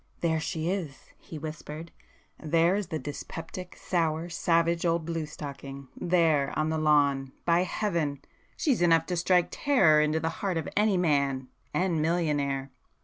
"There she is!" he whispered, "There is the dyspeptic, sour, savage old blue stocking,—there, on the lawn,—by Heaven!—she's enough to strike terror into the heart of any man—and millionaire!"